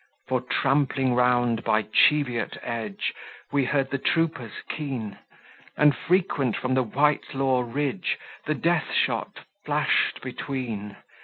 For trampling round by Cheviot edge Were heard the troopers keen; And frequent from the Whitelaw ridge The death shot flash'd between.